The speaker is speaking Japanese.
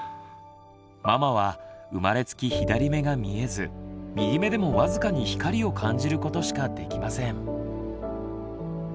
ママは生まれつき左目が見えず右目でも僅かに光を感じることしかできません。